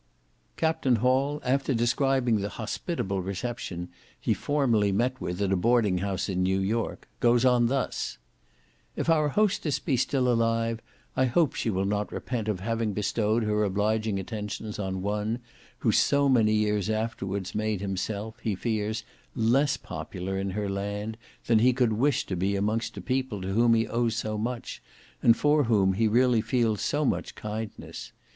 Captain Hall, after describing the hospitable reception he formerly met with, at a boarding house in New York, goes on thus:—"If our hostess be still alive, I hope she will not repent of having bestowed her obliging attentions on one, who so many years afterwards made himself, he fears, less popular in her land, than he could wish to be amongst a people to whom he owes so much, and for whom he really feels so much kindness.